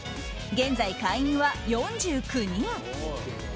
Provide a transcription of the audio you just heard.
現在、会員は４９人。